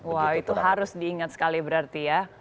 wow itu harus diingat sekali berarti ya